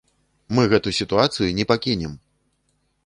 Мы гэту сітуацыю не пакінем!